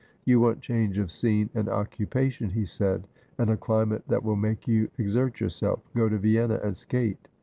" You want change of scene and occupation," he said, "and a climate that will make you exert yourself. Go to Vienna and skate."